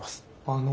あの。